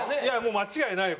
間違いないよ